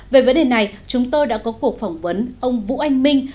về vấn đề này chúng tôi đã có cuộc phỏng vấn ông vũ anh minh